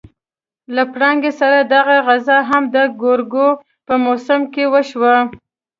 له پرنګي سره دغه غزا هم د ګورګورو په موسم کې وشوه.